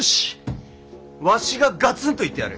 わしががつんと言ってやる！